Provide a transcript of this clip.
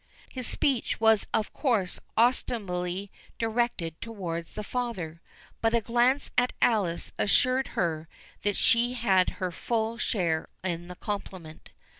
His speech was of course ostensibly directed towards the father; but a glance at Alice assured her that she had her full share in the compliment.